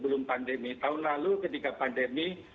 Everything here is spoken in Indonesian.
beransur menuju ke keadaan seperti ini